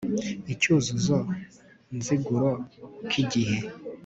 icyuzuzo nziguro k'igihe